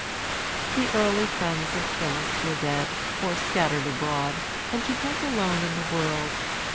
The early friends of Phillis were dead, or scattered abroad, and she felt alone in the world.